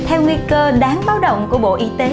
theo nguy cơ đáng báo động của bộ y tế